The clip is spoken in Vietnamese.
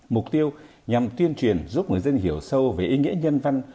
mục tiêu nhằm tuyên truyền giúp người dân hiểu sâu về ý nghĩa nhân văn